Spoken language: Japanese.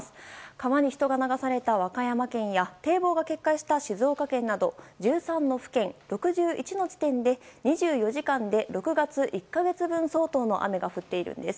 川に人が流された和歌山県や堤防が決壊した静岡県など１３の府県、６１の地点で２４時間で６月１か月分相当の雨が降っているんです。